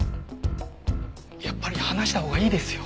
やっぱり話したほうがいいですよ。